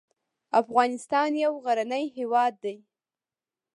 افغانستان یو غرنی هېواد دې .